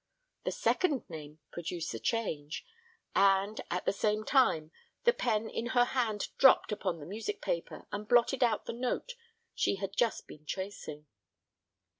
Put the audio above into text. The second name produced the change, and, at the same time, the pen in her hand dropped upon the music paper, and blotted out the note she had just been tracing.